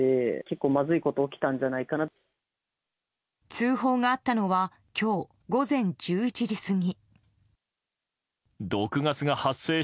通報があったのは今日午前１１時過ぎ。